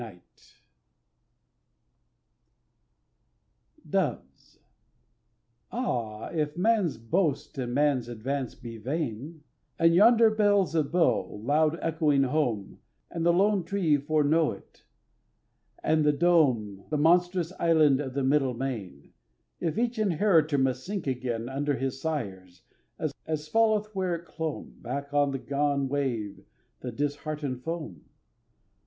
Doves AH, if man's boast and man's advance be vain, And yonder bells of Bow, loud echoing home, And the lone Tree foreknow it, and the Dome, The monstrous island of the middle main; If each inheritor must sink again Under his sires, as falleth where it clomb Back on the gone wave the disheartened foam?